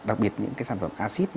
đặc biệt những cái sản phẩm acid